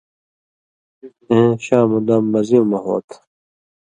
اېں شامُدام مزیُوں مہ ہو تھہ۔